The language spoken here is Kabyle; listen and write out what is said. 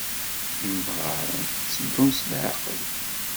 Imɣaren tteddun s leɛqel.